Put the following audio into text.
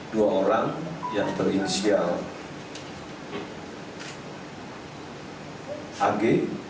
dua orang yang berinisial ag